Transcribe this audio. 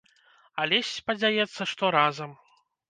Алесь спадзяецца, што разам.